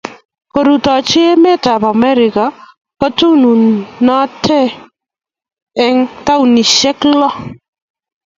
Korutochi emet ap Amerika, kotononati eng' taonisyek lo.